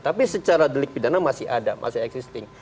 tapi secara delik pidana masih ada masih existing